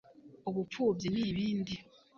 ubupfubyi n’ibindi